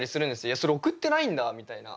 いやそれ送ってないんだみたいな。